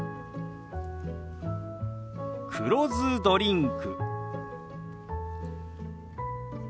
「黒酢ドリンク」。